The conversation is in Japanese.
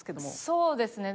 そうですね。